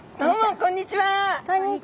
こんにちは。